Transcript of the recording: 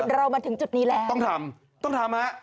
เรามาถึงจุดนี้แล้วต้องทำต้องทำฮะ